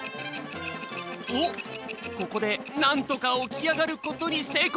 おっここでなんとか起きあがることにせいこう。